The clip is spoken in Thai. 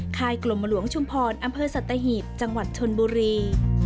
ค่ายกลมหลวงชุมพรอำเภอสัตหีบจังหวัดชนบุรี